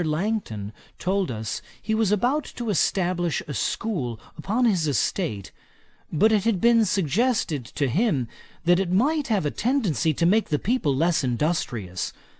Langton told us he was about to establish a school upon his estate, but it had been suggested to him, that it might have a tendency to make the people less industrious.